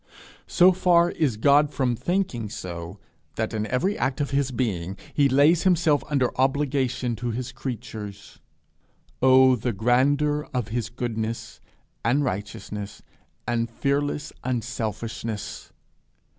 So far is God from thinking so that in every act of his being he lays himself under obligation to his creatures. Oh, the grandeur of his goodness, and righteousness, and fearless unselfishness!